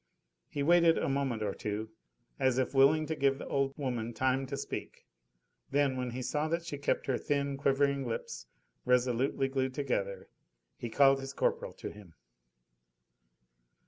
He waited a moment or two as if willing to give the old woman time to speak: then, when he saw that she kept her thin, quivering lips resolutely glued together he called his corporal to him.